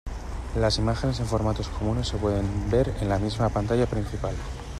Las imágenes en formatos comunes se pueden ver en la misma pantalla principal.